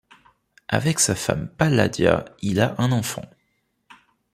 Avec sa femme Palladia il a un enfant.